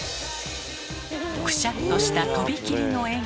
くしゃっとしたとびきりの笑顔。